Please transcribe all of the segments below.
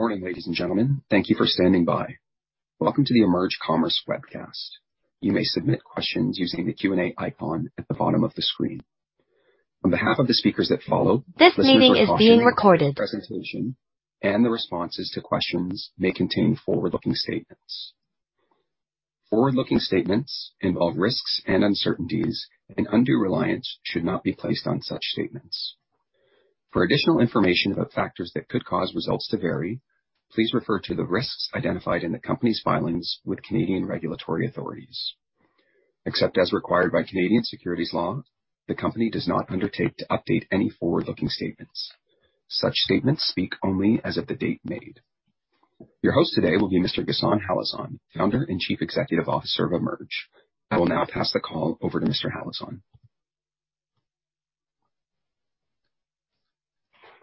Good morning, ladies and gentlemen. Thank you for standing by. Welcome to the EMERGE Commerce webcast. You may submit questions using the Q&A icon at the bottom of the screen. Presentation and the responses to questions may contain forward-looking statements. Forward-looking statements involve risks and uncertainties, and undue reliance should not be placed on such statements. For additional information about factors that could cause results to vary, please refer to the risks identified in the company's filings with Canadian regulatory authorities. Except as required by Canadian securities law, the company does not undertake to update any forward-looking statements. Such statements speak only as of the date made. Your host today will be Mr. Ghassan Halazon, Founder and Chief Executive Officer of EMERGE Commerce. I will now pass the call over to Mr. Halazon.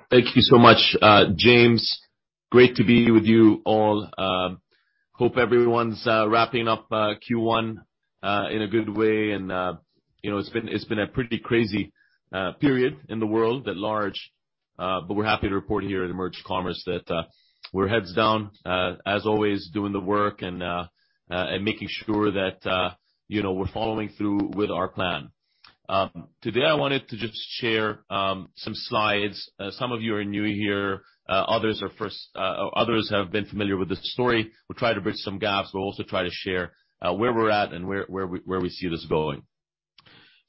Thank you so much, James. Great to be with you all. Hope everyone's wrapping up Q1 in a good way. You know, it's been a pretty crazy period in the world at large, but we're happy to report here at EMERGE Commerce that we're heads down, as always doing the work and making sure that you know, we're following through with our plan. Today I wanted to just share some slides. Some of you are new here, others have been familiar with this story. We'll try to bridge some gaps. We'll also try to share where we're at and where we see this going.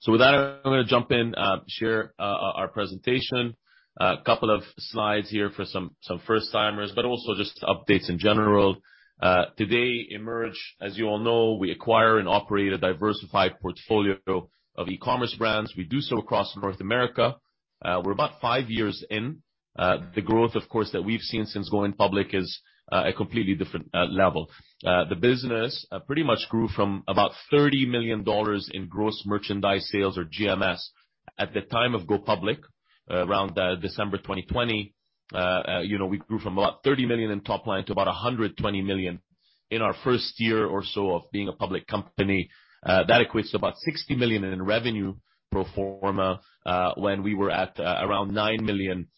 With that, I'm gonna jump in, share our presentation. A couple of slides here for some first-timers, but also just updates in general. Today, Emerge, as you all know, we acquire and operate a diversified portfolio of e-commerce brands. We do so across North America. We're about five years in. The growth, of course, that we've seen since going public is a completely different level. The business pretty much grew from about 30 million dollars in gross merchandise sales or GMS at the time of go public, around December 2020. You know, we grew from about 30 million in top line to about 120 million in our first year or so of being a public company. That equates to about 60 million in revenue pro forma, when we were at around 9 million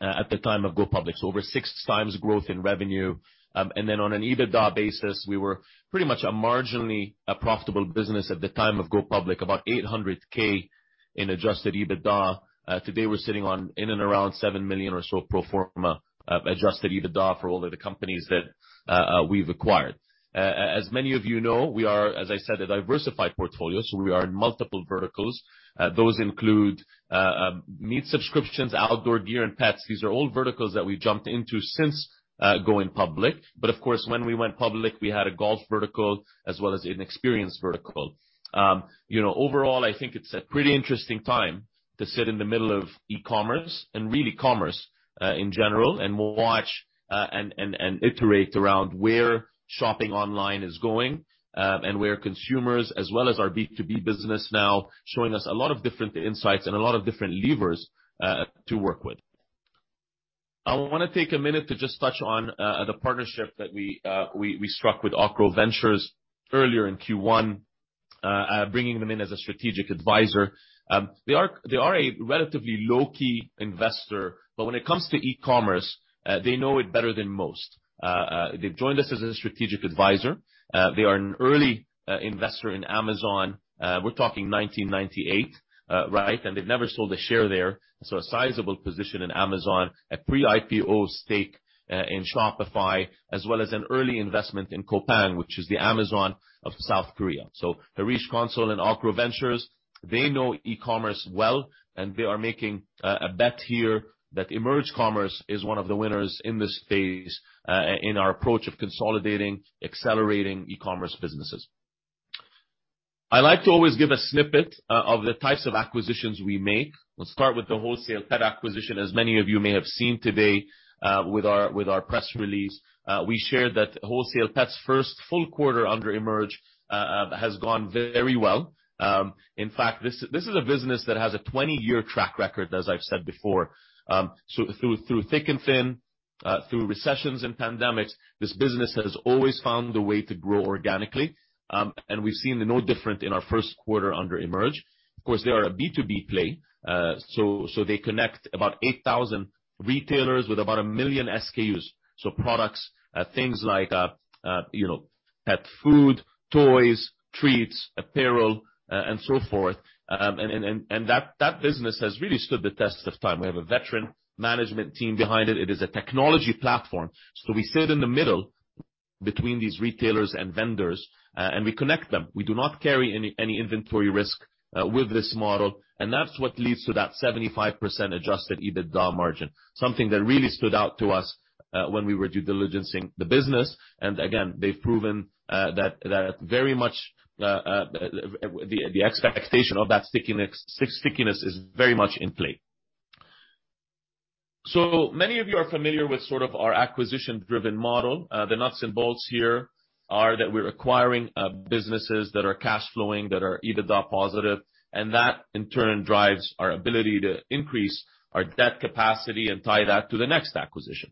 at the time of go public. Over 6x growth in revenue. On an EBITDA basis, we were pretty much marginally profitable business at the time of go public, about 800,000 in adjusted EBITDA. Today we're sitting on in and around 7 million or so pro forma adjusted EBITDA for all of the companies that we've acquired. As many of you know, we are, as I said, a diversified portfolio, so we are in multiple verticals. Those include meat subscriptions, outdoor gear, and pets. These are all verticals that we've jumped into since going public. Of course, when we went public, we had a golf vertical as well as an experience vertical. You know, overall, I think it's a pretty interesting time to sit in the middle of e-commerce and really commerce in general, and watch and iterate around where shopping online is going, and where consumers as well as our B2B business now showing us a lot of different insights and a lot of different levers to work with. I wanna take a minute to just touch on the partnership that we struck with Acro Ventures earlier in Q1, bringing them in as a strategic advisor. They are a relatively low-key investor, but when it comes to e-commerce, they know it better than most. They've joined us as a strategic advisor. They are an early investor in Amazon. We're talking 1998, right? They've never sold a share there, so a sizable position in Amazon, a pre-IPO stake in Shopify, as well as an early investment in Coupang, which is the Amazon of South Korea. Harish Consul and Acro Ventures, they know e-commerce well, and they are making a bet here that EMERGE Commerce is one of the winners in this phase in our approach of consolidating, accelerating e-commerce businesses. I like to always give a snippet of the types of acquisitions we make. We'll start with the WholesalePet acquisition. As many of you may have seen today, with our press release, we shared that WholesalePet's first full quarter under EMERGE has gone very well. In fact, this is a business that has a 20-year track record, as I've said before. Through thick and thin, through recessions and pandemics, this business has always found a way to grow organically. We've seen no different in our first quarter under EMERGE. Of course, they are a B2B play, they connect about 8,000 retailers with about 1 million SKUs. Products, things like, you know, pet food, toys, treats, apparel, and so forth. Business has really stood the test of time. We have a veteran management team behind it. It is a technology platform. We sit in the middle between these retailers and vendors, and we connect them. We do not carry any inventory risk with this model, and that's what leads to that 75% adjusted EBITDA margin. Something that really stood out to us, when we were due diligencing the business. Again, they've proven that very much the expectation of that stickiness is very much in play. Many of you are familiar with sort of our acquisition-driven model. The nuts and bolts here are that we're acquiring businesses that are cash flowing, that are EBITDA positive, and that, in turn, drives our ability to increase our debt capacity and tie that to the next acquisition.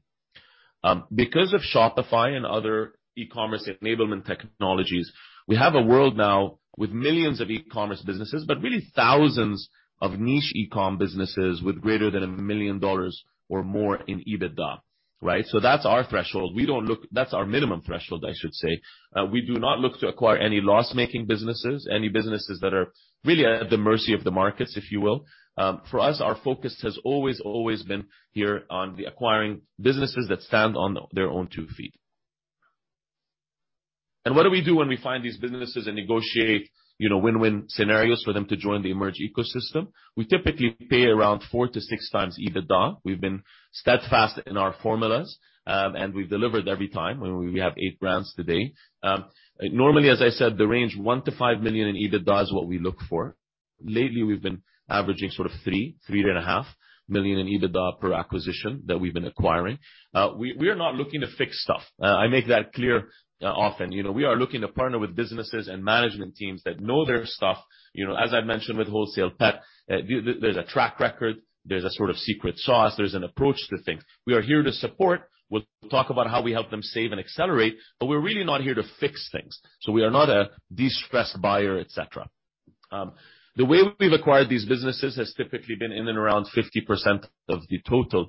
Because of Shopify and other e-commerce enablement technologies, we have a world now with millions of e-commerce businesses, but really thousands of niche e-com businesses with greater than 1 million dollars or more in EBITDA. Right? That's our threshold. That's our minimum threshold, I should say. We do not look to acquire any loss-making businesses, any businesses that are really at the mercy of the markets, if you will. For us, our focus has always been here on acquiring businesses that stand on their own two feet. What do we do when we find these businesses and negotiate, you know, win-win scenarios for them to join the EMERGE ecosystem? We typically pay around 4-6 times EBITDA. We've been steadfast in our formulas, and we've delivered every time, and we have eight brands today. Normally, as I said, the range 1-5 million in EBITDA is what we look for. Lately, we've been averaging sort of 3.5 million in EBITDA per acquisition that we've been acquiring. We are not looking to fix stuff. I make that clear, often. You know, we are looking to partner with businesses and management teams that know their stuff. You know, as I've mentioned with WholesalePet, there's a track record, there's a sort of secret sauce, there's an approach to things. We are here to support. We'll talk about how we help them save and accelerate, but we're really not here to fix things. We are not a distressed buyer, et cetera. The way we've acquired these businesses has typically been in and around 50% of the total,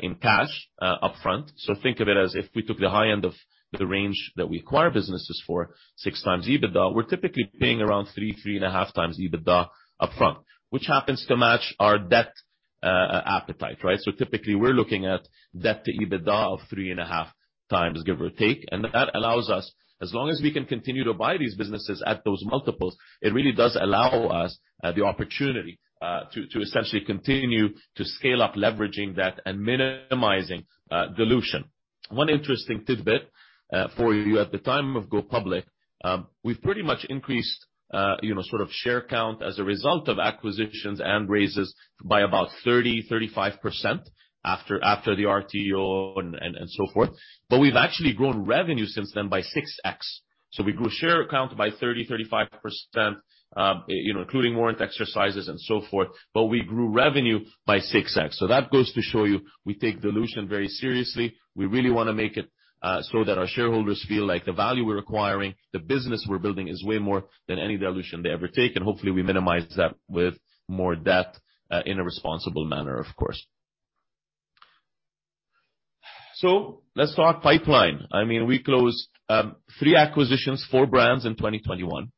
in cash, upfront. Think of it as if we took the high end of the range that we acquire businesses for, 6x EBITDA. We're typically paying around 3-3.5x EBITDA up front, which happens to match our debt, appetite, right? Typically, we're looking at debt to EBITDA of 3.5x, give or take. That allows us, as long as we can continue to buy these businesses at those multiples, it really does allow us the opportunity to essentially continue to scale up leveraging that and minimizing dilution. One interesting tidbit for you. At the time of go public, we've pretty much increased you know sort of share count as a result of acquisitions and raises by about 30-35% after the RTO and so forth. We've actually grown revenue since then by 6x. We grew share count by 30-35% you know including warrant exercises and so forth, but we grew revenue by 6x. That goes to show you, we take dilution very seriously. We really wanna make it so that our shareholders feel like the value we're acquiring, the business we're building is way more than any dilution they ever take, and hopefully we minimize that with more debt in a responsible manner, of course. Let's talk pipeline. I mean, we closed three acquisitions, four brands in 2021.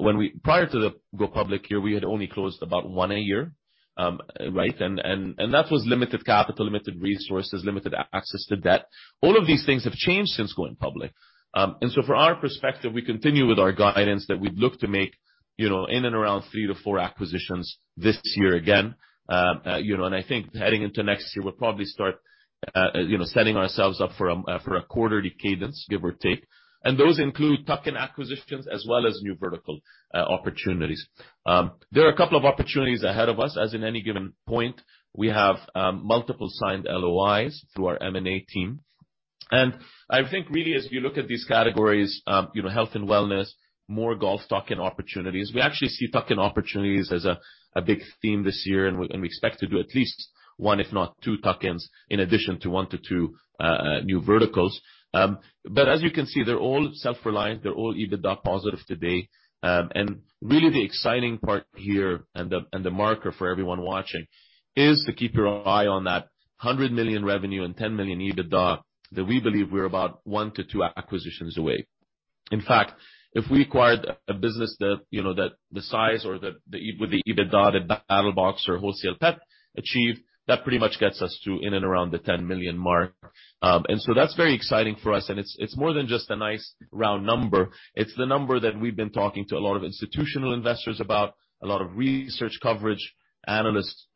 When we prior to the go public year, we had only closed about one a year, right? That was limited capital, limited resources, limited access to debt. All of these things have changed since going public. From our perspective, we continue with our guidance that we'd look to make, you know, in and around three to four acquisitions this year again. You know, I think heading into next year, we'll probably start, you know, setting ourselves up for a quarterly cadence, give or take. Those include tuck-in acquisitions as well as new vertical opportunities. There are a couple of opportunities ahead of us. At any given point, we have multiple signed LOIs through our M&A team. I think really, as you look at these categories, you know, health and wellness, more golf tuck-in opportunities. We actually see tuck-in opportunities as a big theme this year, and we expect to do at least one, if not two tuck-ins, in addition to 1-2 new verticals. But as you can see, they're all self-reliant, they're all EBITDA positive today. Really the exciting part here and the marker for everyone watching is to keep your eye on that 100 million revenue and 10 million EBITDA that we believe we're about 1-2 acquisitions away. In fact, if we acquired a business that, you know, that the size or the with the EBITDA that BattlBox or WholesalePet achieved, that pretty much gets us to in and around the 10 million mark. That's very exciting for us, and it's more than just a nice round number. It's the number that we've been talking to a lot of institutional investors about, a lot of research coverage analysts,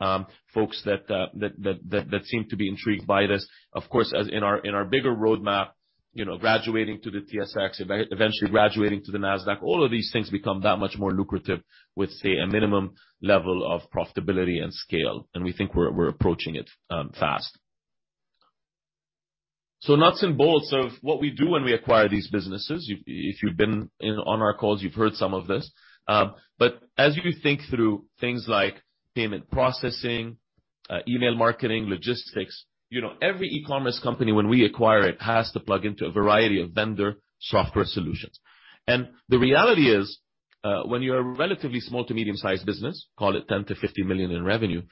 folks that seem to be intrigued by this. Of course, as in our bigger roadmap, you know, graduating to the TSX, eventually graduating to the Nasdaq. All of these things become that much more lucrative with, say, a minimum level of profitability and scale, and we think we're approaching it fast. Nuts and bolts of what we do when we acquire these businesses. If you've been on our calls, you've heard some of this. But as you think through things like payment processing, email marketing, logistics, you know, every e-commerce company, when we acquire it, has to plug into a variety of vendor software solutions. The reality is, when you're a relatively small to medium-sized business, call it 10 million-50 million in revenue,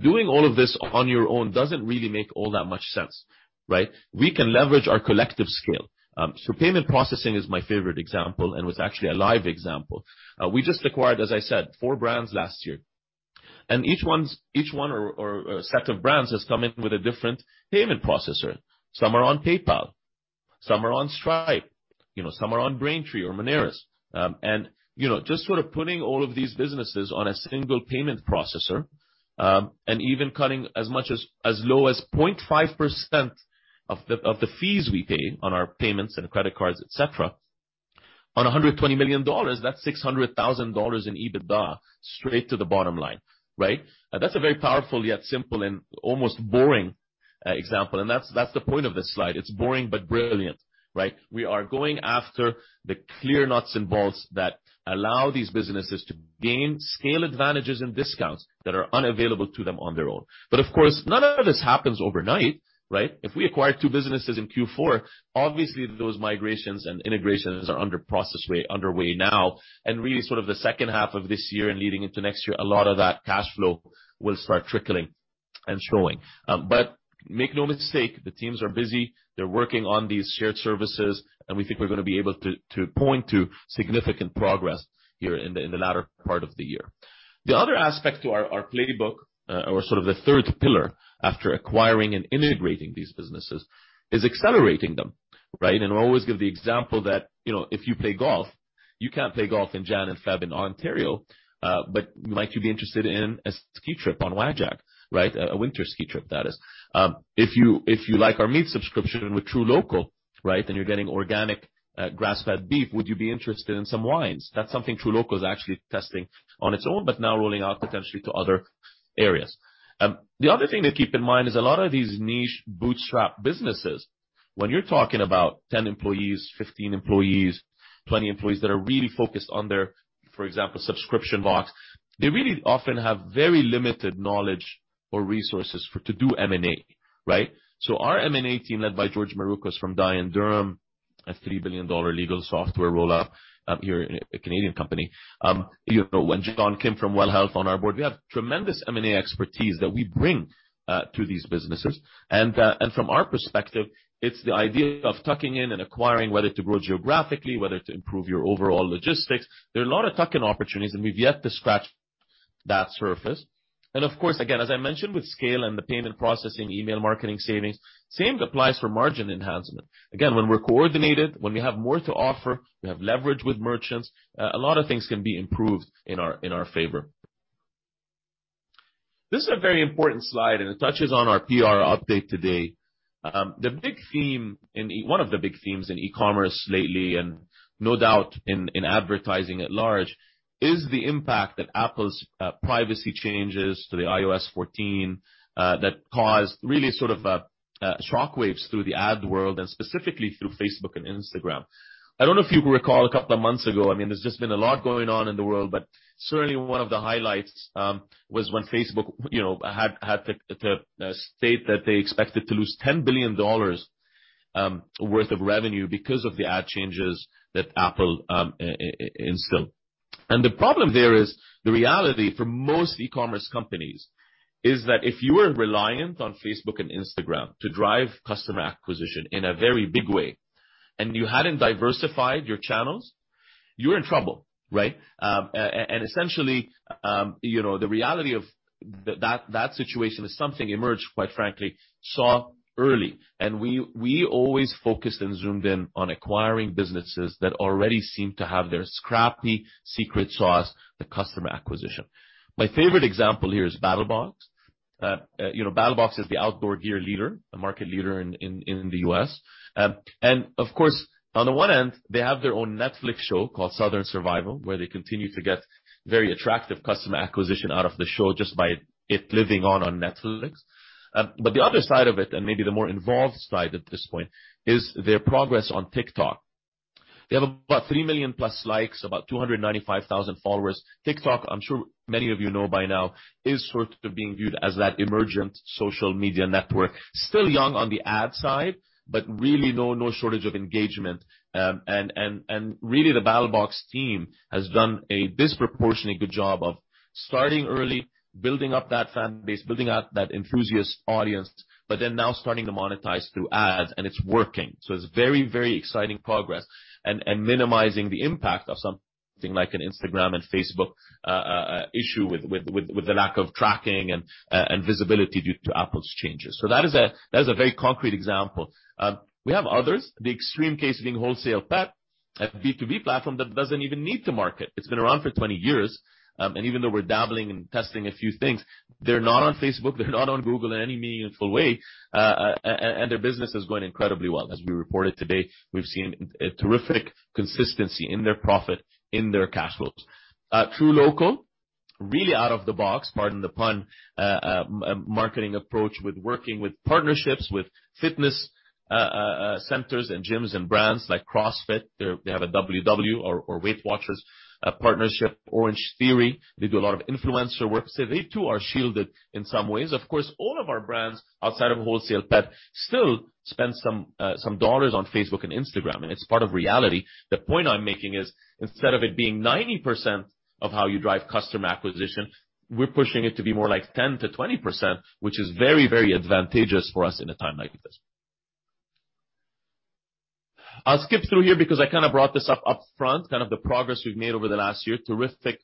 doing all of this on your own doesn't really make all that much sense, right? We can leverage our collective scale. Payment processing is my favorite example and was actually a live example. We just acquired, as I said, four brands last year, and each one or set of brands has come in with a different payment processor. Some are on PayPal, some are on Stripe, you know, some are on Braintree or Moneris. You know, just sort of putting all of these businesses on a single payment processor, and even cutting as low as 0.5% of the fees we pay on our payments and credit cards, et cetera, on 120 million dollars, that's 600 thousand dollars in EBITDA straight to the bottom line, right? That's a very powerful yet simple and almost boring example. That's the point of this slide. It's boring but brilliant, right? We are going after the clear nuts and bolts that allow these businesses to gain scale advantages and discounts that are unavailable to them on their own. Of course, none of this happens overnight, right? If we acquire two businesses in Q4, obviously those migrations and integrations are underway now. Really sort of the second half of this year and leading into next year, a lot of that cash flow will start trickling in and showing. Make no mistake, the teams are busy. They're working on these shared services, and we think we're gonna be able to point to significant progress here in the latter part of the year. The other aspect to our playbook or sort of the third pillar after acquiring and integrating these businesses is accelerating them, right? We always give the example that, you know, if you play golf, you can't play golf in January and February in Ontario, but you might, you'd be interested in a ski trip on WagJag, right? A winter ski trip, that is. If you like our meat subscription with truLOCAL, right? Then you're getting organic, grass-fed beef, would you be interested in some wines? That's something truLOCAL is actually testing on its own, but now rolling out potentially to other areas. The other thing to keep in mind is a lot of these niche bootstrap businesses, when you're talking about 10 employees, 15 employees, 20 employees that are really focused on their, for example, subscription box, they really often have very limited knowledge or resources to do M&A, right? Our M&A team, led by George Marouchos from Dye & Durham, a 3 billion dollar legal software rollout, a Canadian company. You know, when John came from WELL Health Technologies on our board, we have tremendous M&A expertise that we bring to these businesses. From our perspective, it's the idea of tucking in and acquiring whether to grow geographically, whether to improve your overall logistics. There are a lot of tuck-in opportunities, and we've yet to scratch that surface. Of course, again, as I mentioned with scale and the payment processing, email marketing savings, same applies for margin enhancement. Again, when we're coordinated, when we have more to offer, we have leverage with merchants, a lot of things can be improved in our favor. This is a very important slide, and it touches on our PR update today. One of the big themes in e-commerce lately, and no doubt in advertising at large, is the impact that Apple's privacy changes to the iOS 14 that caused really sort of shockwaves through the ad world and specifically through Facebook and Instagram. I don't know if you recall a couple of months ago. I mean, there's just been a lot going on in the world, but certainly one of the highlights was when Facebook, you know, had to state that they expected to lose $10 billion worth of revenue because of the ad changes that Apple instilled. The problem there is the reality for most e-commerce companies is that if you were reliant on Facebook and Instagram to drive customer acquisition in a very big way, and you hadn't diversified your channels, you're in trouble, right? And essentially, you know, the reality of that situation is something EMERGE, quite frankly, saw early. We always focused and zoomed in on acquiring businesses that already seem to have their scrappy secret sauce, the customer acquisition. My favorite example here is BattlBox. You know, BattlBox is the outdoor gear leader, a market leader in the U.S. And of course, on the one end, they have their own Netflix show called Southern Survival, where they continue to get very attractive customer acquisition out of the show just by it living on Netflix. The other side of it, and maybe the more involved side at this point, is their progress on TikTok. They have about 3 million+ likes, about 295,000 followers. TikTok, I'm sure many of you know by now, is sort of being viewed as that emergent social media network. Still young on the ad side, but really no shortage of engagement. And really, the BattlBox team has done a disproportionately good job of starting early, building up that fan base, building out that enthusiast audience, but then now starting to monetize through ads, and it's working. So it's very, very exciting progress and minimizing the impact of something like an Instagram and Facebook issue with the lack of tracking and visibility due to Apple's changes. That is a very concrete example. We have others, the extreme case being WholesalePet, a B2B platform that doesn't even need to market. It's been around for 20 years. Even though we're dabbling and testing a few things, they're not on Facebook, they're not on Google in any meaningful way, and their business is going incredibly well. As we reported today, we've seen a terrific consistency in their profit, in their cash flows. truLOCAL, really out of the box, pardon the pun, marketing approach working with partnerships with fitness centers and gyms and brands like CrossFit. They have a WW or Weight Watchers partnership, Orangetheory. They do a lot of influencer work. They, too, are shielded in some ways. Of course, all of our brands, outside of WholesalePet, still spend some dollars on Facebook and Instagram, and it's part of reality. The point I'm making is, instead of it being 90% of how you drive customer acquisition, we're pushing it to be more like 10%-20%, which is very, very advantageous for us in a time like this. I'll skip through here because I kinda brought this up upfront, kind of the progress we've made over the last year. Terrific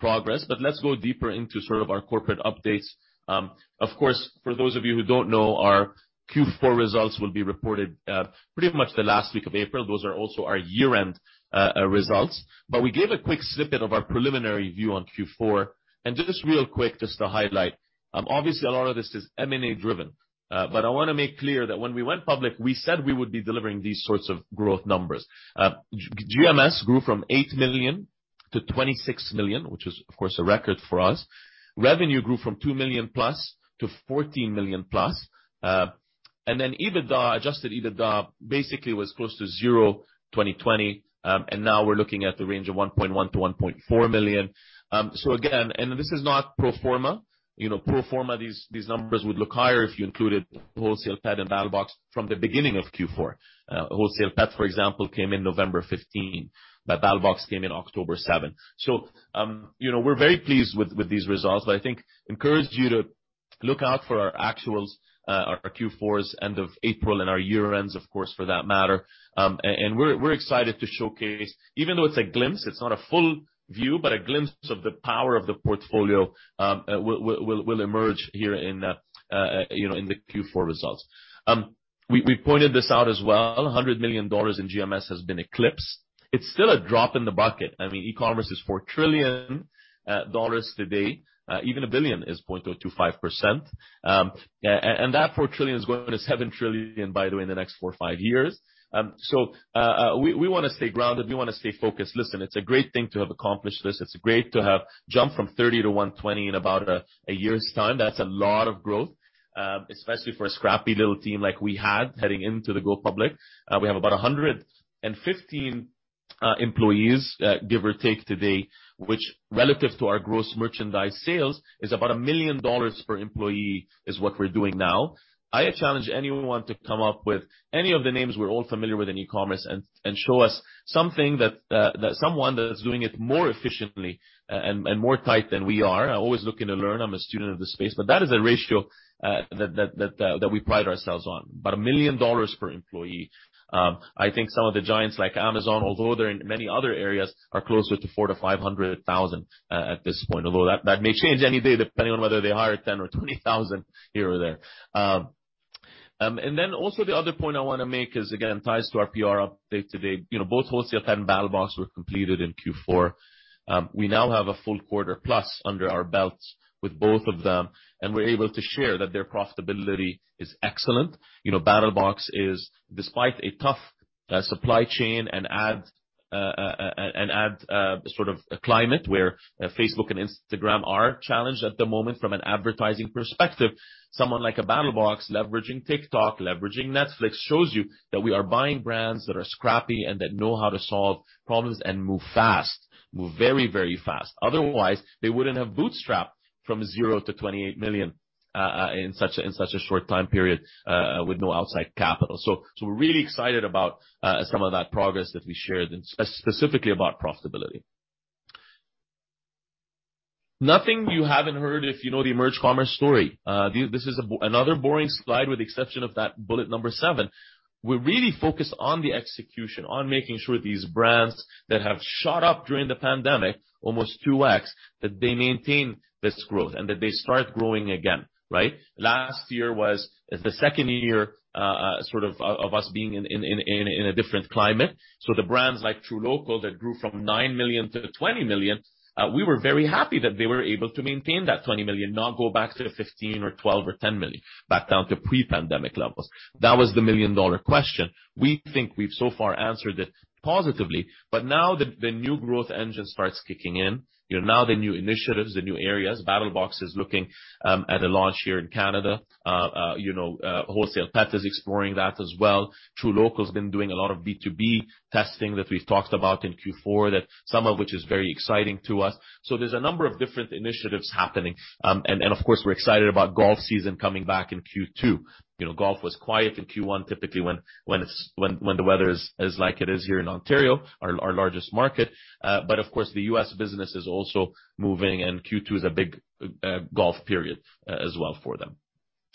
progress, but let's go deeper into sort of our corporate updates. Of course, for those of you who don't know, our Q4 results will be reported pretty much the last week of April. Those are also our year-end results. We gave a quick snippet of our preliminary view on Q4. Just real quick, just to highlight, obviously a lot of this is M&A driven, but I wanna make clear that when we went public, we said we would be delivering these sorts of growth numbers. GMS grew from 8 million to 26 million, which is, of course, a record for us. Revenue grew from 2 million+ to 14 million+. And then EBITDA, adjusted EBITDA basically was close to zero, 2020, and now we're looking at the range of 1.1 million-1.4 million. Again, and this is not pro forma. You know, pro forma, these numbers would look higher if you included WholesalePet and BattlBox from the beginning of Q4. WholesalePet, for example, came in November 15, but BattlBox came in October 7. You know, we're very pleased with these results, but I think encourage you to look out for our actuals, our Q4's end of April and our year ends, of course, for that matter. We're excited to showcase even though it's a glimpse, it's not a full view, but a glimpse of the power of the portfolio will emerge here in, you know, in the Q4 results. We pointed this out as well, 100 million dollars in GMS has been eclipsed. It's still a drop in the bucket. I mean, e-commerce is $4 trillion today. Even $1 billion is 0.025%. And that $4 trillion is going to $7 trillion, by the way, in the next 4-5 years. We wanna stay grounded, we wanna stay focused. Listen, it's a great thing to have accomplished this. It's great to have jumped from 30 to 120 in about a year's time. That's a lot of growth, especially for a scrappy little team like we had heading into the go public. We have about 115 employees, give or take today, which relative to our gross merchandise sales is about 1 million dollars per employee, which is what we're doing now. I challenge anyone to come up with any of the names we're all familiar with in e-commerce and show us something that someone that is doing it more efficiently and more tight than we are. I'm always looking to learn. I'm a student of the space. That is a ratio that we pride ourselves on. About 1 million dollars per employee. I think some of the giants like Amazon, although they're in many other areas, are closer to 400-500 thousand at this point. Although that may change any day depending on whether they hire 10 or 20 thousand here or there. The other point I wanna make is again, ties to our PR update today. You know, both WholesalePet and BattlBox were completed in Q4. We now have a full quarter-plus under our belts with both of them, and we're able to share that their profitability is excellent. You know, BattlBox is despite a tough supply chain and ad climate where Facebook and Instagram are challenged at the moment from an advertising perspective. Someone like a BattlBox leveraging TikTok, leveraging Netflix, shows you that we are buying brands that are scrappy and that know how to solve problems and move fast. Move very, very fast. Otherwise, they wouldn't have bootstrapped from zero to $28 million in such a short time period with no outside capital. So we're really excited about some of that progress that we shared, and specifically about profitability. Nothing you haven't heard if you know the EMERGE Commerce story. This is another boring slide with the exception of that bullet number seven. We're really focused on the execution, on making sure these brands that have shot up during the pandemic, almost 2x, that they maintain this growth and that they start growing again, right? Last year was the second year, sort of us being in a different climate. The brands like True Local that grew from 9 million to 20 million, we were very happy that they were able to maintain that 20 million, not go back to 15 million or 12 million or 10 million, back down to pre-pandemic levels. That was the million-dollar question. We think we've so far answered it positively, but now the new growth engine starts kicking in. You know, now the new initiatives, the new areas. BattlBox is looking at a launch here in Canada. Wholesale Pet is exploring that as well. True Local's been doing a lot of B2B testing that we've talked about in Q4, that some of which is very exciting to us. There's a number of different initiatives happening. Of course, we're excited about golf season coming back in Q2. You know, golf was quiet in Q1, typically when the weather is like it is here in Ontario, our largest market. But of course, the U.S. business is also moving and Q2 is a big golf period as well for them.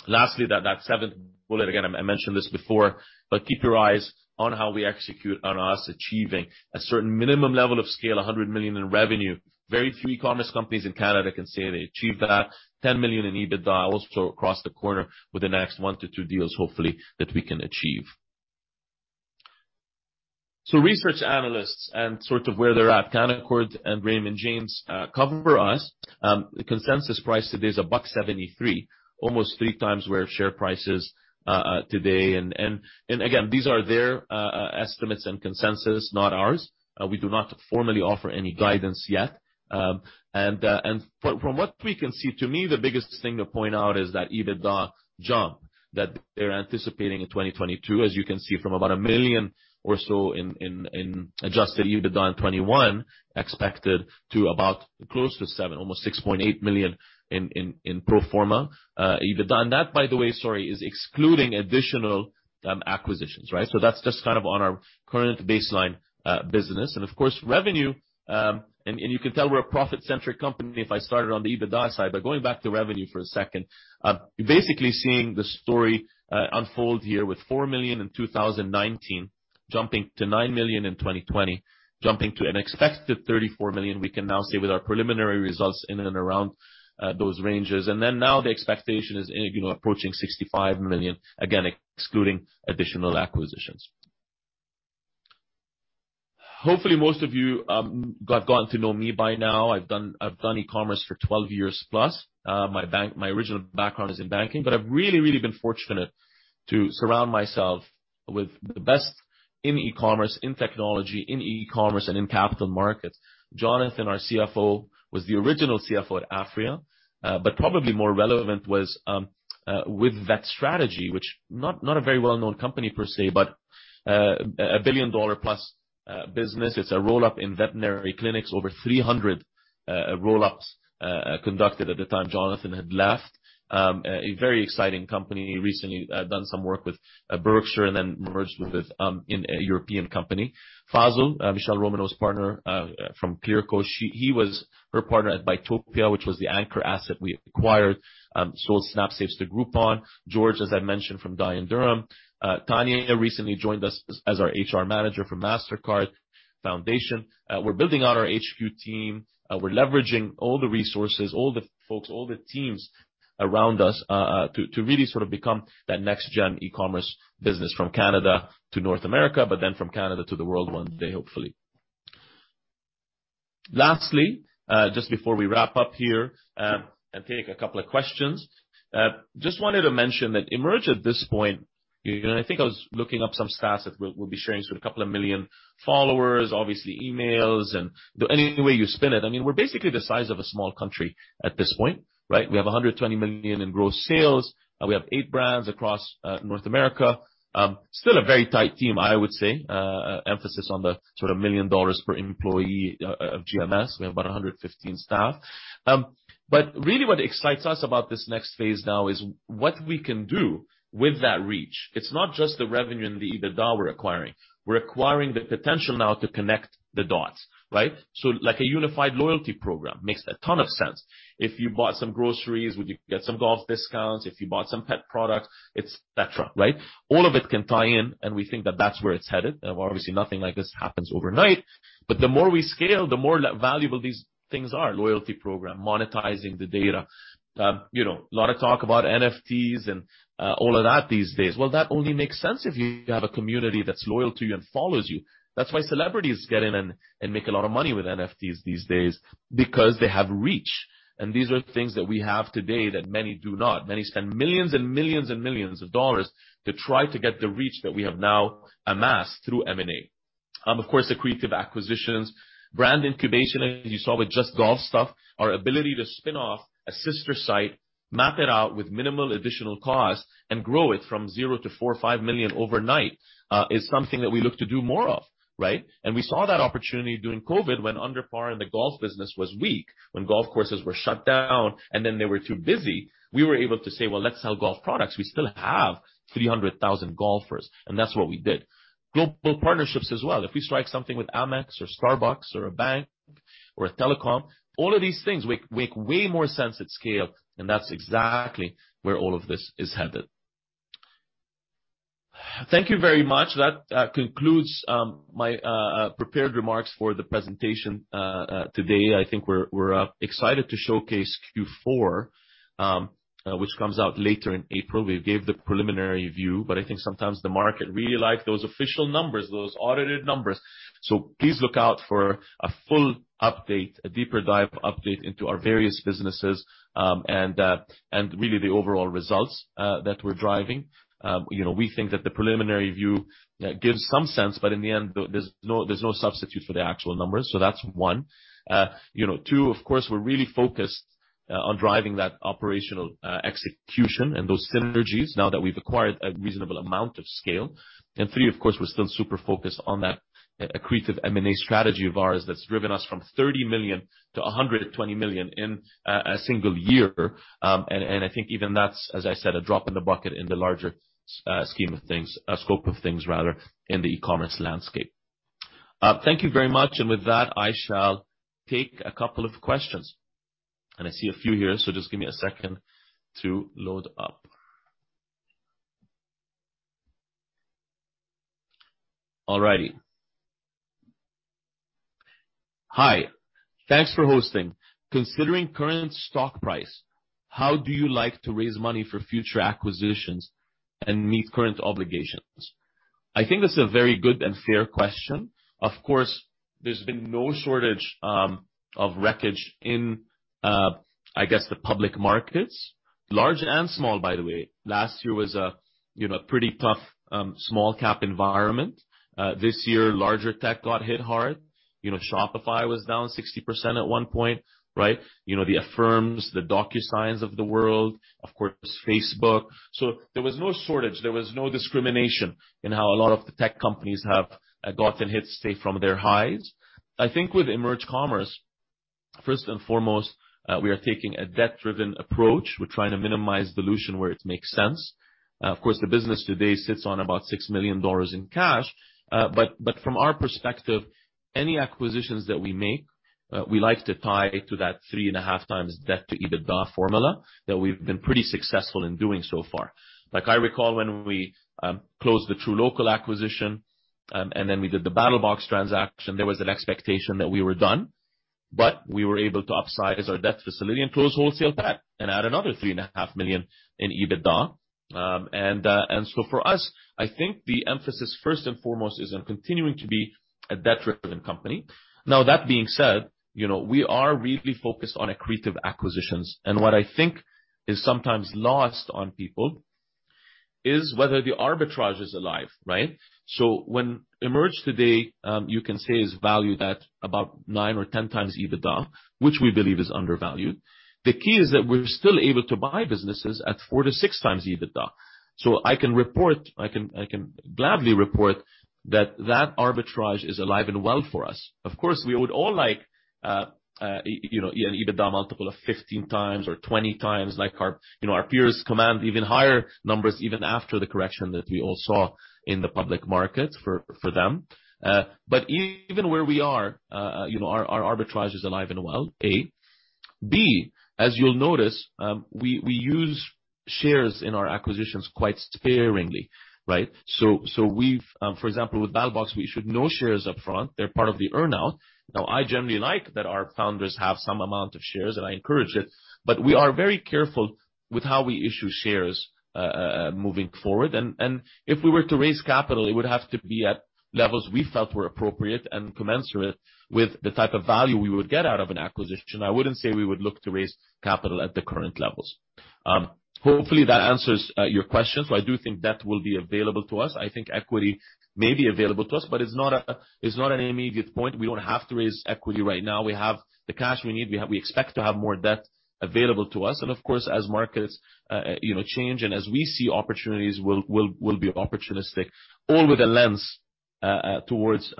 Lastly, that seventh bullet, again, I mentioned this before, but keep your eyes on how we execute on us achieving a certain minimum level of scale, 100 million in revenue. Very few e-commerce companies in Canada can say they achieved that. 10 million in EBITDA, also just around the corner with the next 1-2 deals, hopefully, that we can achieve. So, research analysts and sort of where they're at, Canaccord Genuity and Raymond James, cover us. The consensus price today is 1.73, almost three times where share price is today. Again, these are their estimates and consensus, not ours. We do not formally offer any guidance yet. From what we can see, to me, the biggest thing to point out is that EBITDA jump that they're anticipating in 2022, as you can see, from about 1 million or so in adjusted EBITDA in 2021, expected to about close to 7 million, almost 6.8 million in pro forma EBITDA. That, by the way, sorry, is excluding additional acquisitions, right? That's just kind of on our current baseline business. Of course, revenue. You can tell we're a profit-centric company if I started on the EBITDA side. Going back to revenue for a second, basically seeing the story unfold here with 4 million in 2019 jumping to 9 million in 2020, jumping to an expected 34 million, we can now say with our preliminary results in and around those ranges. Now the expectation is, you know, approaching 65 million, again, excluding additional acquisitions. Hopefully, most of you have gotten to know me by now. I've done e-commerce for 12 years plus. My original background is in banking, but I've really been fortunate to surround myself with the best in e-commerce, in technology, in e-commerce, and in capital markets. Jonathan, our CFO, was the original CFO at Aphria. Probably more relevant was with VetStrategy, which is not a very well-known company per se, but a billion-dollar-plus business. It's a roll-up in veterinary clinics, over 300 roll-ups conducted at the time Jonathan had left. A very exciting company. Recently done some work with Berkshire and then merged with this in a European company. Fazal, Michele Romanow's partner from Clearco. He was her partner at Buytopia, which was the anchor asset we acquired. Sold SnapSaves to Groupon. George, as I mentioned, from Dye & Durham. Tanya recently joined us as our HR manager from Mastercard Foundation. We're building out our HQ team. We're leveraging all the resources, all the folks, all the teams around us, to really sort of become that next gen e-commerce business from Canada to North America, but then from Canada to the world one day, hopefully. Lastly, just before we wrap up here, and take a couple of questions, just wanted to mention that EMERGE at this point, you know, I think I was looking up some stats that we'll be sharing. So a couple of million followers, obviously, emails and any way you spin it, I mean, we're basically the size of a small country at this point, right? We have 120 million in gross sales. We have 8 brands across North America. Still a very tight team. I would say, emphasis on the sort of million dollars per employee of GMS. We have about 115 staff. Really what excites us about this next phase now is what we can do with that reach. It's not just the revenue and the EBITDA we're acquiring. We're acquiring the potential now to connect the dots, right? Like a unified loyalty program makes a ton of sense. If you bought some groceries, would you get some golf discounts? If you bought some pet products, et cetera, right? All of it can tie in, and we think that that's where it's headed. Obviously, nothing like this happens overnight, but the more we scale, the more valuable these things are, loyalty program, monetizing the data. You know, a lot of talk about NFTs and all of that these days. Well, that only makes sense if you have a community that's loyal to you and follows you. That's why celebrities get in and make a lot of money with NFTs these days, because they have reach. These are things that we have today that many do not. Many spend millions to try to get the reach that we have now amassed through M&A. Of course, accretive acquisitions, brand incubation, as you saw with JustGolfStuff. Our ability to spin off a sister site, map it out with minimal additional cost, and grow it from zero to 4 or 5 million overnight, is something that we look to do more of, right? We saw that opportunity during COVID when UnderPar in the golf business was weak, when golf courses were shut down and then they were too busy. We were able to say, "Well, let's sell golf products. We still have 300,000 golfers. That's what we did. Global partnerships as well. If we strike something with Amex or Starbucks or a bank or a telecom, all of these things make way more sense at scale, and that's exactly where all of this is headed. Thank you very much. That concludes my prepared remarks for the presentation today. I think we're excited to showcase Q4, which comes out later in April. We gave the preliminary view, but I think sometimes the market really like those official numbers, those audited numbers. Please look out for a full update, a deeper dive update into our various businesses, and really the overall results that we're driving. You know, we think that the preliminary view gives some sense, but in the end, there's no substitute for the actual numbers. So that's one. You know, two, of course, we're really focused on driving that operational execution and those synergies now that we've acquired a reasonable amount of scale. Three, of course, we're still super focused on that accretive M&A strategy of ours that's driven us from 30 million to 120 million in a single year. I think even that's, as I said, a drop in the bucket in the larger scheme of things, scope of things rather, in the e-commerce landscape. Thank you very much. With that, I shall take a couple of questions. I see a few here, so just give me a second to load up. All righty. Hi. Thanks for hosting. Considering current stock price, how do you like to raise money for future acquisitions and meet current obligations? I think that's a very good and fair question. Of course, there's been no shortage of wreckage in, I guess the public markets, large and small, by the way. Last year was a, you know, pretty tough small cap environment. This year, larger tech got hit hard. You know, Shopify was down 60% at one point, right? You know, the Affirm, the DocuSign of the world, of course, Facebook. There was no shortage, there was no discrimination in how a lot of the tech companies have gotten hit, say, from their highs. I think with EMERGE Commerce, first and foremost, we are taking a debt-driven approach. We're trying to minimize dilution where it makes sense. Of course, the business today sits on about 6 million dollars in cash. From our perspective, any acquisitions that we make, we like to tie to that 3.5x debt to EBITDA formula that we've been pretty successful in doing so far. Like I recall when we closed the truLOCAL acquisition, and then we did the BattlBox transaction, there was an expectation that we were done, but we were able to upsize our debt facility and close WholesalePet and add another 3.5 million in EBITDA. For us, I think the emphasis, first and foremost, is on continuing to be a debt-driven company. Now, that being said, you know, we are really focused on accretive acquisitions, and what I think is sometimes lost on people is whether the arbitrage is alive, right? When EMERGE today, you can say, is valued at about 9 or 10x EBITDA, which we believe is undervalued. The key is that we're still able to buy businesses at 4-6x EBITDA. I can gladly report that arbitrage is alive and well for us. Of course, we would all like, you know, an EBITDA multiple of 15x or 20x like our peers command even higher numbers even after the correction that we all saw in the public market for them. But even where we are, you know, our arbitrage is alive and well. As you'll notice, we use shares in our acquisitions quite sparingly, right? For example, with BattlBox, we issued no shares up front. They're part of the earn-out. Now, I generally like that our founders have some amount of shares, and I encourage it, but we are very careful with how we issue shares, moving forward. If we were to raise capital, it would have to be at levels we felt were appropriate and commensurate with the type of value we would get out of an acquisition. I wouldn't say we would look to raise capital at the current levels. Hopefully that answers your question. I do think debt will be available to us. I think equity may be available to us, but it's not an immediate point. We don't have to raise equity right now. We have the cash we need. We expect to have more debt available to us. Of course, as markets you know change and as we see opportunities we'll be opportunistic, all with a lens towards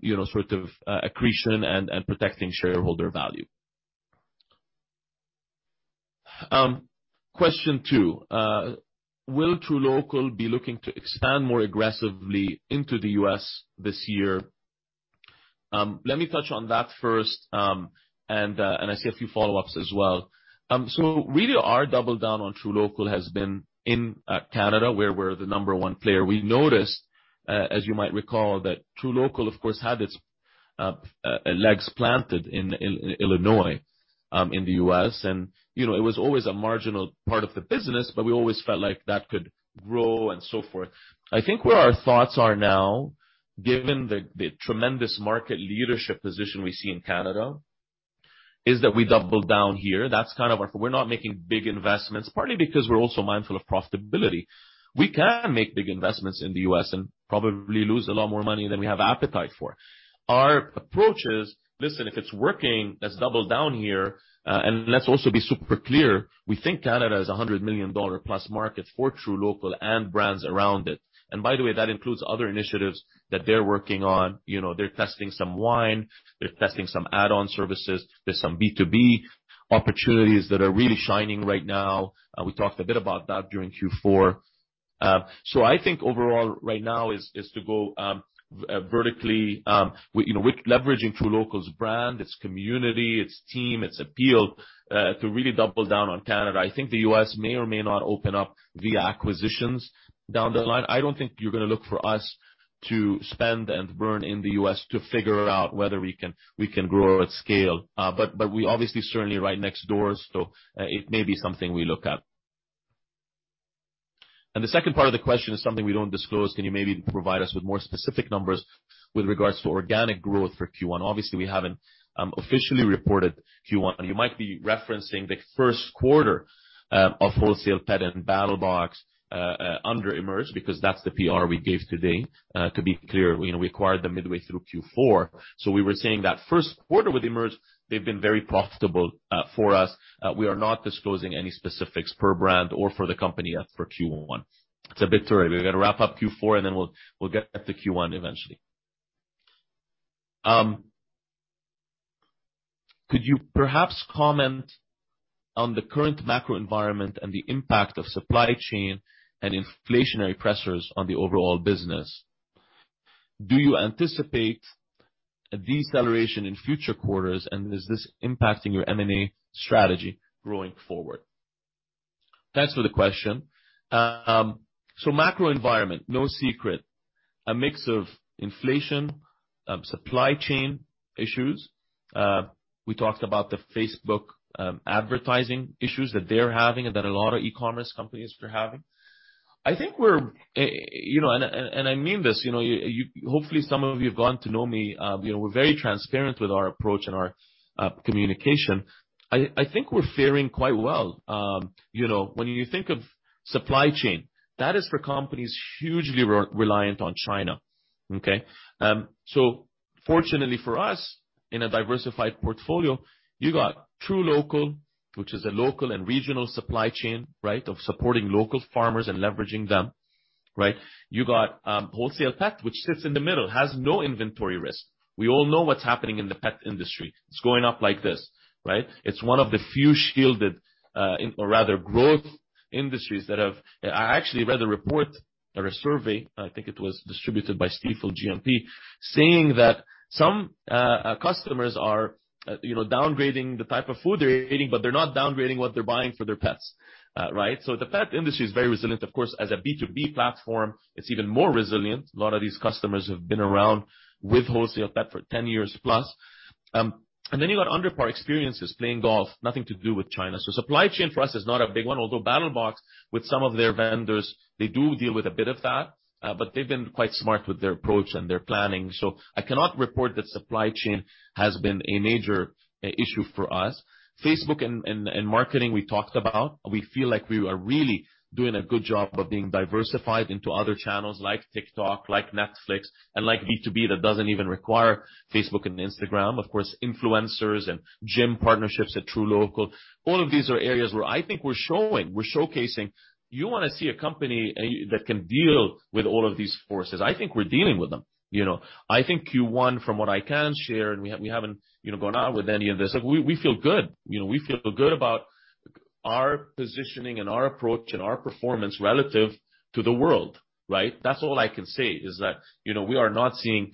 you know sort of accretion and protecting shareholder value. Question two. Will truLOCAL be looking to expand more aggressively into the U.S. this year? Let me touch on that first, and I see a few follow-ups as well. So really our double down on truLOCAL has been in Canada, where we're the number one player. We noticed, as you might recall, that truLOCAL, of course, had its legs planted in Illinois, in the U.S. You know, it was always a marginal part of the business, but we always felt like that could grow and so forth. I think where our thoughts are now, given the tremendous market leadership position we see in Canada, is that we double down here. That's kind of our. We're not making big investments, partly because we're also mindful of profitability. We can make big investments in the U.S. and probably lose a lot more money than we have appetite for. Our approach is, listen, if it's working, let's double down here. And let's also be super clear, we think Canada is a 100 million dollar+ market for truLOCAL and brands around it. By the way, that includes other initiatives that they're working on. You know, they're testing some wine. They're testing some add-on services. There's some B2B opportunities that are really shining right now. We talked a bit about that during Q4. I think overall right now is to go vertically, you know, we're leveraging truLOCAL's brand, its community, its team, its appeal to really double down on Canada. I think the U.S. may or may not open up via acquisitions down the line. I don't think you're gonna look for us to spend and burn in the U.S. to figure out whether we can grow at scale. But we obviously certainly right next door, so it may be something we look at. The second part of the question is something we don't disclose. Can you maybe provide us with more specific numbers with regards to organic growth for Q1? Obviously, we haven't officially reported Q1. You might be referencing the first quarter of WholesalePet and BattlBox under EMERGE, because that's the PR we gave today. To be clear, you know, we acquired them midway through Q4. We were saying that first quarter with EMERGE, they've been very profitable for us. We are not disclosing any specifics per brand or for the company for Q1. It's a bit early. We've got to wrap up Q4, and then we'll get to Q1 eventually. Could you perhaps comment on the current macro environment and the impact of supply chain and inflationary pressures on the overall business? Do you anticipate a deceleration in future quarters, and is this impacting your M&A strategy going forward? Thanks for the question. Macro environment, no secret. A mix of inflation, supply chain issues. We talked about the Facebook advertising issues that they're having and that a lot of e-commerce companies are having. I think we're, you know, I mean this, you know. Hopefully, some of you have gotten to know me. You know, we're very transparent with our approach and our communication. I think we're faring quite well. You know, when you think of supply chain, that is for companies hugely reliant on China, okay? Fortunately for us, in a diversified portfolio, you got truLOCAL, which is a local and regional supply chain, right? Of supporting local farmers and leveraging them, right? You got WholesalePet, which sits in the middle, has no inventory risk. We all know what's happening in the pet industry. It's going up like this, right? It's one of the few shielded or rather growth industries. I actually read a report or a survey, I think it was distributed by Stifel GMP, saying that some customers are, you know, downgrading the type of food they're eating, but they're not downgrading what they're buying for their pets, right? The pet industry is very resilient. Of course, as a B2B platform, it's even more resilient. A lot of these customers have been around with WholesalePet for 10 years plus. You got UnderPar, playing golf, nothing to do with China. Supply chain for us is not a big one. Although BattlBox, with some of their vendors, they do deal with a bit of that, but they've been quite smart with their approach and their planning. I cannot report that supply chain has been a major issue for us. Facebook and marketing we talked about. We feel like we are really doing a good job of being diversified into other channels like TikTok, like Netflix, and like B2B that doesn't even require Facebook and Instagram. Of course, influencers and gym partnerships at truLOCAL. All of these are areas where I think we're showcasing. You wanna see a company that can deal with all of these forces. I think we're dealing with them, you know. I think Q1, from what I can share, and we haven't, you know, gone out with any of this, like we feel good. You know, we feel good about our positioning and our approach and our performance relative to the world, right? That's all I can say is that, you know, we are not seeing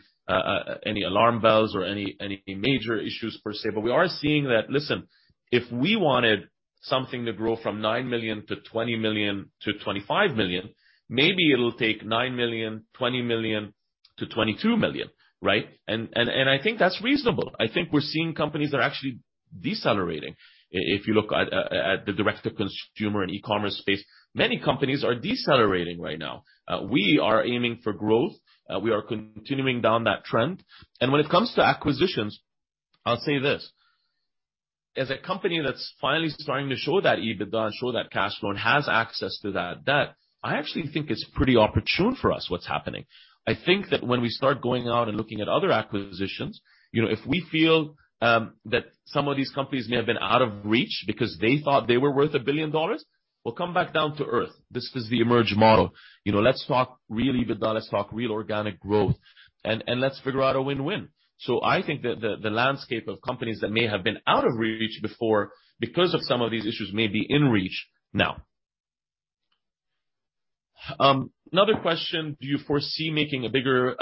any alarm bells or any major issues per se, but we are seeing that. Listen, if we wanted something to grow from 9 million to 20 million to 25 million, maybe it'll take 9 million, 20 million to 22 million, right? I think that's reasonable. I think we're seeing companies that are actually decelerating. If you look at the direct-to-consumer and e-commerce space, many companies are decelerating right now. We are aiming for growth. We are continuing down that trend. When it comes to acquisitions, I'll say this. As a company that's finally starting to show that EBITDA and show that cash flow and has access to that debt, I actually think it's pretty opportune for us what's happening. I think that when we start going out and looking at other acquisitions, you know, if we feel that some of these companies may have been out of reach because they thought they were worth a billion dollars, well, come back down to earth. This is the EMERGE model. You know, let's talk real EBITDA, let's talk real organic growth, and let's figure out a win-win. I think that the landscape of companies that may have been out of reach before because of some of these issues may be in reach now. Another question. Do you foresee making a bigger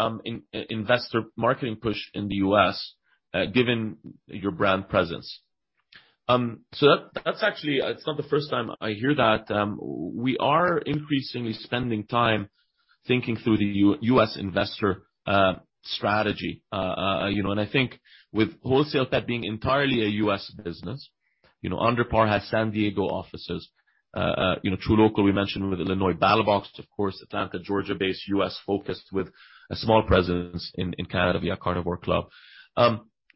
investor marketing push in the U.S., given your brand presence? That's actually. It's not the first time I hear that. We are increasingly spending time thinking through the U.S. investor strategy. I think with WholesalePet being entirely a U.S. business, you know, UnderPar has San Diego offices. truLOCAL, we mentioned with Illinois. BattlBox, of course, Atlanta, Georgia-based, U.S.-focused with a small presence in Canada via Carnivore Club.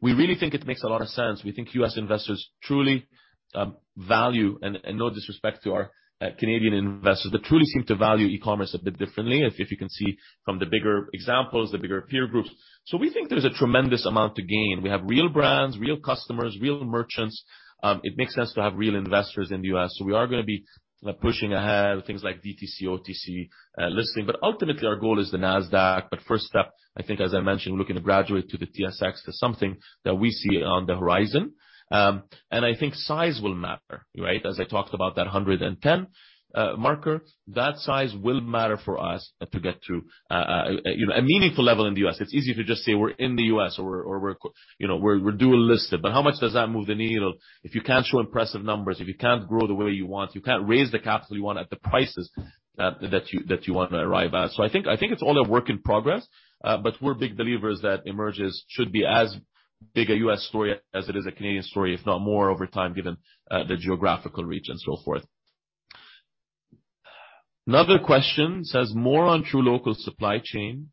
We really think it makes a lot of sense. We think U.S. investors truly value, and no disrespect to our Canadian investors, but truly seem to value e-commerce a bit differently, if you can see from the bigger examples, the bigger peer groups. We think there's a tremendous amount to gain. We have real brands, real customers, real merchants. It makes sense to have real investors in the U.S. We are gonna be pushing ahead with things like DTC, OTC listing. But ultimately, our goal is the Nasdaq. First step, I think, as I mentioned, we're looking to graduate to the TSX. That's something that we see on the horizon. I think size will matter, right? As I talked about that 110 marker. That size will matter for us to get to you know, a meaningful level in the U.S. It's easy to just say we're in the U.S. or we're dual listed, but how much does that move the needle? If you can't show impressive numbers, if you can't grow the way you want, you can't raise the capital you want at the prices that you want to arrive at. I think it's all a work in progress, but we're big believers that EMERGE's should be as big a U.S. story as it is a Canadian story, if not more over time, given the geographical reach and so forth. Another question says more on truLOCAL supply chain.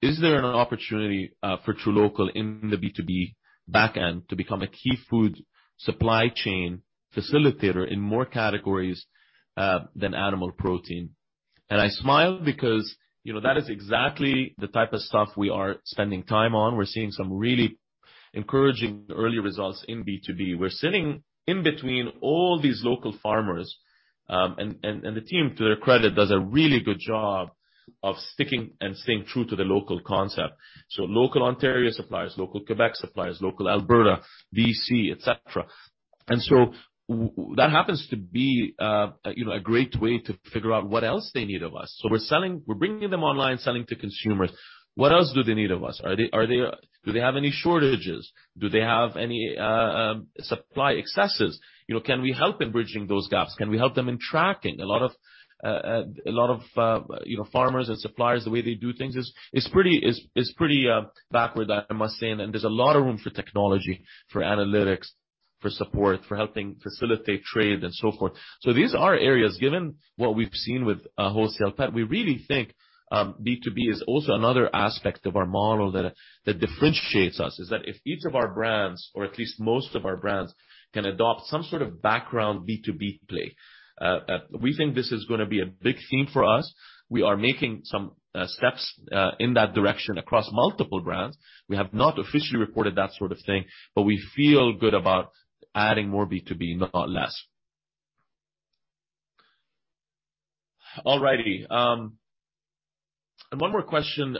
Is there an opportunity for truLOCAL in the B2B backend to become a key food supply chain facilitator in more categories than animal protein? I smile because, you know, that is exactly the type of stuff we are spending time on. We're seeing some really encouraging early results in B2B. We're sitting in between all these local farmers, and the team, to their credit, does a really good job of sticking and staying true to the local concept. Local Ontario suppliers, local Quebec suppliers, local Alberta, B.C., etc. That happens to be, you know, a great way to figure out what else they need of us. We're selling, we're bringing them online, selling to consumers. What else do they need of us? Are they? Do they have any shortages? Do they have any supply excesses? You know, can we help in bridging those gaps? Can we help them in tracking? A lot of you know, farmers and suppliers, the way they do things is pretty backward, I must say. There's a lot of room for technology, for analytics, for support, for helping facilitate trade and so forth. These are areas, given what we've seen with WholesalePet, we really think B2B is also another aspect of our model that differentiates us, is that if each of our brands, or at least most of our brands, can adopt some sort of background B2B play, we think this is gonna be a big theme for us. We are making some steps in that direction across multiple brands. We have not officially reported that sort of thing, but we feel good about adding more B2B, not less. All righty. One more question.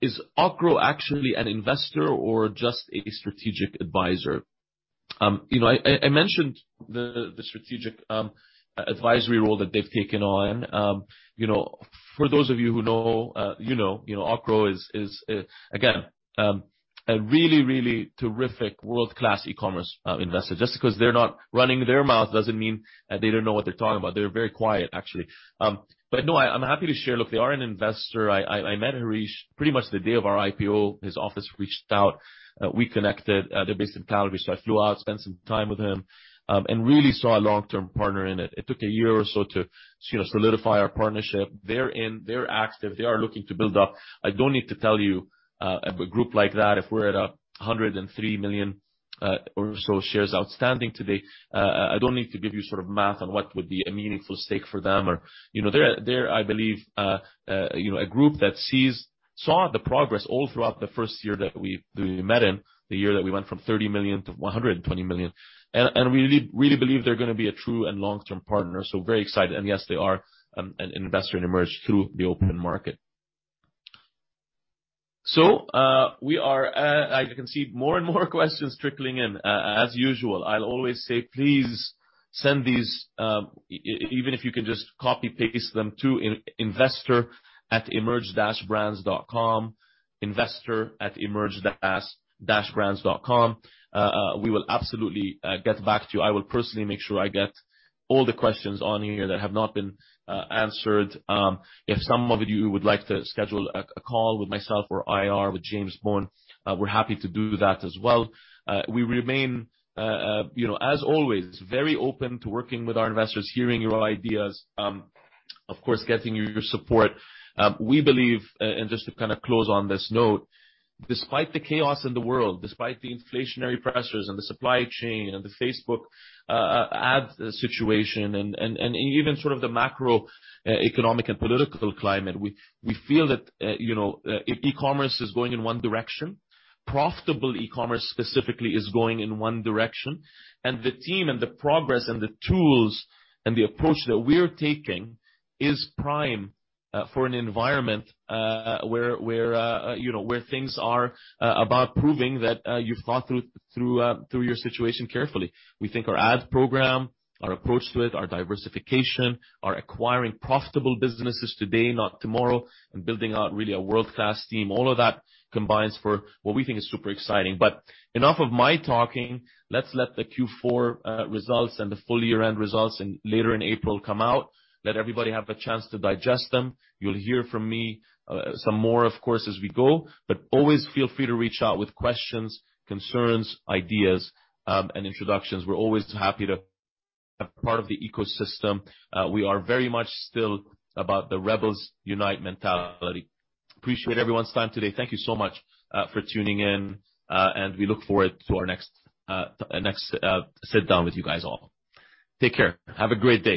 Is Accro actually an investor or just a strategic advisor? You know, I mentioned the strategic advisory role that they've taken on. You know, for those of you who know, you know, Ocgrow is again a really terrific world-class e-commerce investor. Just because they're not running their mouth doesn't mean they don't know what they're talking about. They're very quiet, actually. No, I'm happy to share. Look, they are an investor. I met Harish pretty much the day of our IPO. His office reached out. We connected. They're based in Calgary, so I flew out, spent some time with him and really saw a long-term partner in it. It took a year or so to, you know, solidify our partnership. They're in, they're active, they are looking to build up. I don't need to tell you a group like that, if we're at 103 million or so shares outstanding today. I don't need to give you sort of math on what would be a meaningful stake for them or. You know, they're I believe you know a group that saw the progress all throughout the first year that we met in, the year that we went from 30 million to 120 million. We really believe they're gonna be a true and long-term partner. Very excited. Yes, they are an investor in EMERGE through the open market. We are I can see more and more questions trickling in. As usual, I'll always say, please send these even if you can just copy-paste them to investor@emerge-brands.com, investor@emerge-brands.com. We will absolutely get back to you. I will personally make sure I get all the questions on here that have not been answered. If some of you would like to schedule a call with myself or IR with James Bowen, we're happy to do that as well. We remain, you know, as always, very open to working with our investors, hearing your ideas, of course, getting your support. We believe just to kind of close on this note, despite the chaos in the world, despite the inflationary pressures and the supply chain and the Facebook ad situation and even sort of the macroeconomic and political climate, we feel that, you know, e-commerce is going in one direction. Profitable e-commerce specifically is going in one direction. The team and the progress and the tools and the approach that we're taking is prime for an environment where you know where things are about proving that you've thought through your situation carefully. We think our ad program, our approach to it, our diversification, our acquiring profitable businesses today, not tomorrow, and building out really a world-class team, all of that combines for what we think is super exciting. Enough of my talking. Let's let the Q4 results and the full year-end results in later in April come out. Let everybody have a chance to digest them. You'll hear from me some more, of course, as we go, but always feel free to reach out with questions, concerns, ideas, and introductions. We're always happy to be a part of the ecosystem. We are very much still about the rebels unite mentality. Appreciate everyone's time today. Thank you so much for tuning in, and we look forward to our next sit down with you guys all. Take care. Have a great day.